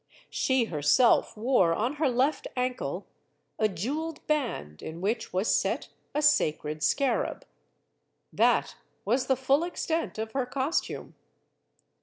She herself wore, on her left ankle, a jeweled band in which was set a sacred scarab. That was the full extent of her costume.